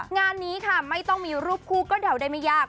งานนี้ค่ะไม่ต้องมีรูปคู่ก็เดาได้ไม่ยาก